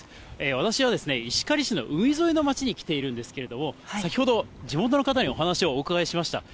私は石狩市の海沿いの町に来ているんですけれども、先ほど、地元の方にお話をお伺いしました。